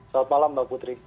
selamat malam mbak putri